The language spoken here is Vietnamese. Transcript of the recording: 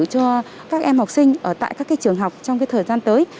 cho các em học sinh ở tại các trường học trong thời gian tới